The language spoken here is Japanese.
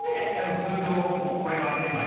通常もうこれが当たり前です。